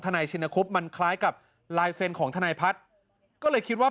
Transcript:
นายชินคุบมันคล้ายกับลายเซ็นต์ของทนายพัฒน์ก็เลยคิดว่า